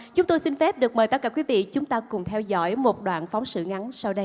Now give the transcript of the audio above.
chúng tôi xin phép được mời tất cả quý vị chúng ta cùng theo dõi một đoạn phóng sự ngắn sau đây